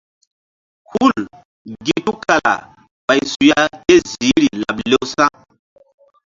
Hul gi tukala ɓay suya ké ziihri laɓ lewsa̧.